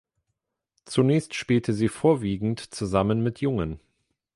Zunächst spielte sie vorwiegend zusammen mit Jungen.